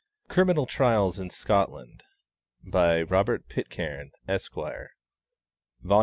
Criminal Trials in Scotland by Robert Pitcairn, Esq. Vol.